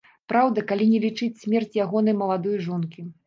Праўда, калі не лічыць смерць ягонай маладой жонкі.